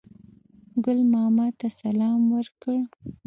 ګل ماما ته سلام ورکړ.